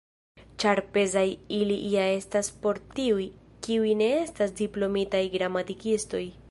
Ĉar pezaj ili ja estas por tiuj, kiuj ne estas diplomitaj gramatikistoj.